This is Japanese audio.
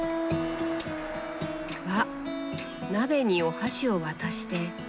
わっ鍋にお箸を渡して。